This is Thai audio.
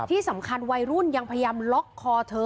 ที่สำคัญวัยรุ่นยังพยายามล๊อคคอเธอ